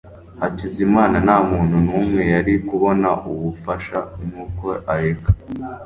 Hakizamana nta muntu n'umwe yari kubona ubufasha nuko areka